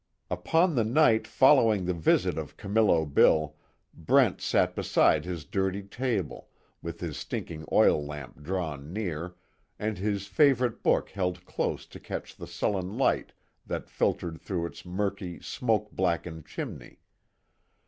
Upon the night following the visit of Camillo Bill, Brent sat beside his dirty table, with his stinking oil lamp drawn near, and his favorite book held close to catch the sullen light that filtered through its murky, smoke blackened chimney.